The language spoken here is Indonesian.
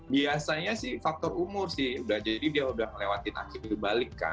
biasanya faktor umur jadi dia sudah melewati akil balik